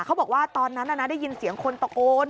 เขาบอกว่าตอนนั้นได้ยินเสียงคนตะโกน